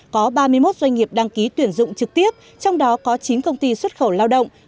có ba mươi một doanh nghiệp đăng ký tuyển dụng trực tiếp trong đó có chín công ty xuất khẩu lao động